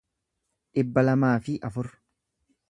dhibba lamaa fi afur